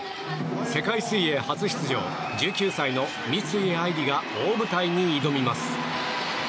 世界水泳初出場１９歳の三井愛梨が大舞台に挑みます。